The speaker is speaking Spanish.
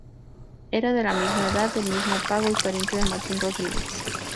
Era de la misma edad, del mismo pago y pariente de Martín Rodríguez.